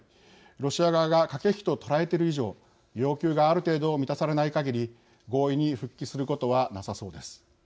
ロシア側が駆け引きと捉えている以上要求がある程度満たされないかぎり合意に復帰することはなさそうです。